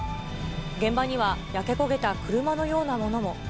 現場には焼け焦げた車のようなものも。